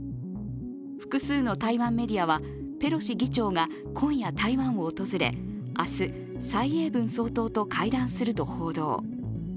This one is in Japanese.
複数の台湾メディアはペロシ議長が今夜、台湾を訪れ、明日、蔡英文総統と会談すると報道。